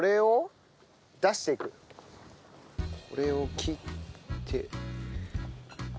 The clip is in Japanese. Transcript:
これを切って。